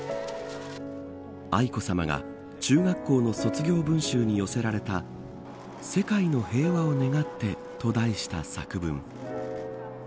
愛子さまが中学校の卒業文集に寄せられた世界の平和を願ってと題した作文。